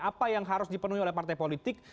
apa yang harus dipenuhi oleh partai politik